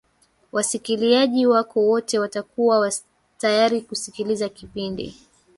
wasikiliaji wako wote watakuwa tayari kusikiliza kipindi